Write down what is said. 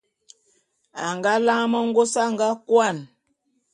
A nga lane mengôs a nga kôan.